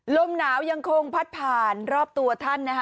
ลมหนาวยังคงพัดผ่านรอบตัวท่านนะคะ